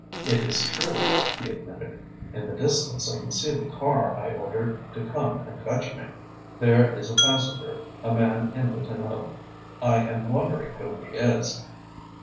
"It is true," he admitted. "In the distance I can see the car I ordered to come and fetch me. There is a passenger a man in the tonneau. I am wondering who he is."